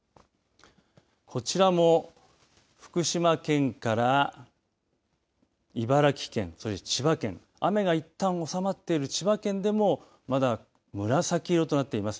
こちらも福島県から茨城県そして千葉県雨がいったん収まっている千葉県でもまだ紫色となっています。